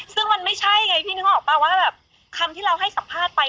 ซึ่งมันไม่ใช่ไงพี่นึกออกป่ะว่าแบบคำที่เราให้สัมภาษณ์ไป